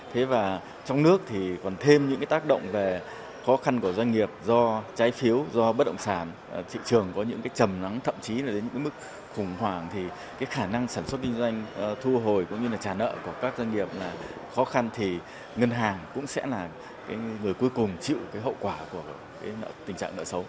thế và trong nước thì còn thêm những tác động về khó khăn của doanh nghiệp do trái phiếu do bất động sản thị trường có những cái trầm nắng thậm chí là đến mức khủng hoảng thì cái khả năng sản xuất kinh doanh thu hồi cũng như là trả nợ của các doanh nghiệp là khó khăn thì ngân hàng cũng sẽ là người cuối cùng chịu cái hậu quả của tình trạng nợ xấu